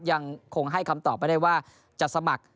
ยังคงให้คำตอบไม่ได้ว่าจะสมัคร